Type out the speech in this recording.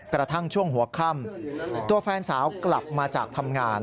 กระทั่งช่วงหัวค่ำตัวแฟนสาวกลับมาจากทำงาน